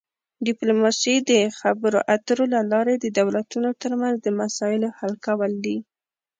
ډیپلوماسي د خبرو اترو له لارې د دولتونو ترمنځ د مسایلو حل کول دي